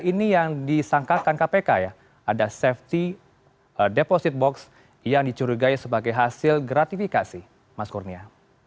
ini yang disangkakan kpk ya ada safety deposit box yang dicurigai sebagai hasil gratifikasi mas kurnia